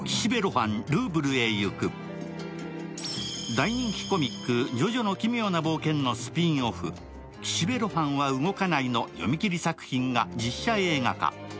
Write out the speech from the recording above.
大人気コミック「ジョジョの奇妙な冒険」のスピンオフ、「岸辺露伴は動かない」の読み切り作品が実写映画化。